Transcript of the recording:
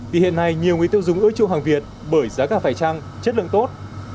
thì hiện nay nhiều người tiêu dùng ưa chuông hàng việt bởi giá cả phải trăng chất lượng tốt